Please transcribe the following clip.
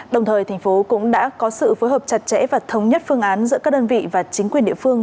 đồng thời thành phố cũng đã có sự phối hợp chặt chẽ và thống nhất phương án giữa các đơn vị và chính quyền địa phương